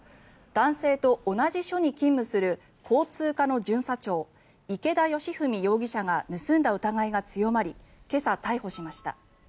男性と同じ署に勤務する交通課の巡査長池田佳史容疑者が盗んだ疑いが強まり今朝、逮捕しました。